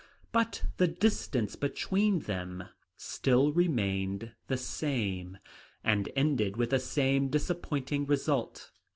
But the distance between them still remained the same, and ended with the same disappointing result.